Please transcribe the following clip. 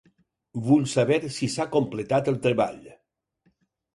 Vull saber si s'ha completat el treball.